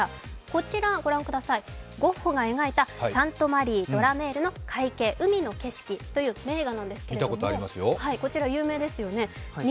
こちら、ゴッホが描いた「サント＝マリー＝ド＝ラ＝メールの海景」という名画なんですけどこちら有名ですよね。